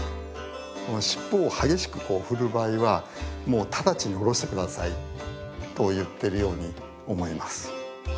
しっぽを激しく振る場合はもう直ちにおろしてくださいと言ってるように思います。